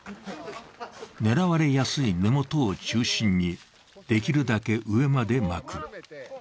狙われやすい根元を中心にできるだけ上まで巻く。